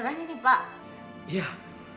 ada iru di wilayah